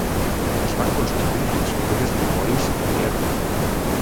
Es van construir les figures de Boris i Gleb.